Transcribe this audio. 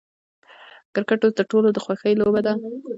کرکټ اوس د ټولو د خوښې لوبه ده.